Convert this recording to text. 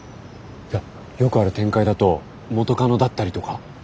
いやよくある展開だと元カノだったりとか？